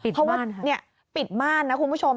เพราะว่าปิดม่านนะคุณผู้ชม